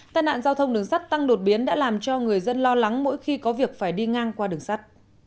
tai nạn giao thông đường sắt tăng đột biến đã làm cho người dân lo lắng mỗi khi có việc phải đi ngang qua đường sắt